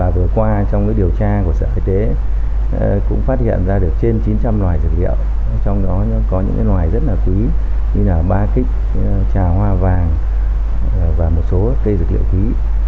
vừa qua trong điều tra của sở y tế cũng phát hiện ra trên chín trăm linh loại dược liệu trong đó có những loại rất quý như ba kích trà hoa vàng và một số cây dược liệu quý